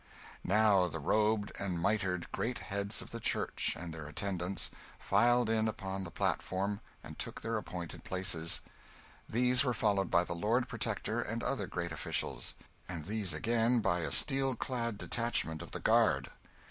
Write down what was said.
Now the robed and mitred great heads of the church, and their attendants, filed in upon the platform and took their appointed places; these were followed by the Lord Protector and other great officials, and these again by a steel clad detachment of the Guard.